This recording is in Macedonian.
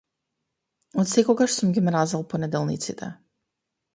Од секогаш сум ги мразел понеделниците.